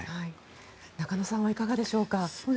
中野さんはいかがでしょうか。